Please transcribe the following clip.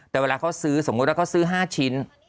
แต่เวลาเขาซื้อสมมุติว่าเขาซื้อ๕ชิ้น